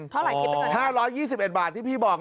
เท่าไหร่ทีเป็นเงินห้าร้อยยี่สิบเอ็ดบาทที่พี่บอกน่ะ